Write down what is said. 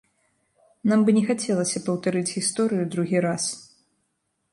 Нам бы не хацелася паўтарыць гісторыю другі раз.